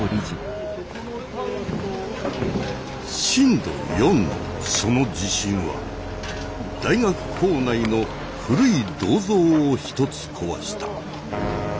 震度４のその地震は大学構内の古い銅像を一つ壊した。